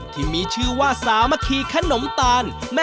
ที่มีชื่อว่าสามัคคีขนมตาล